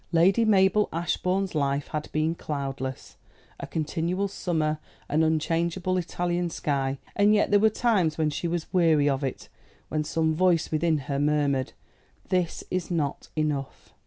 Lady Mabel Ashbourne's life had been cloudless a continual summer, an unchangeable Italian sky; and yet there were times when she was weary of it, when some voice within her murmured, "This is not enough."